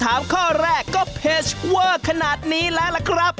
ถามข้อแรกก็เพจเวอร์ขนาดนี้แล้วล่ะครับ